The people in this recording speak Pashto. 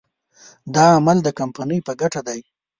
دا عمل د کمپنۍ په ګټه دی.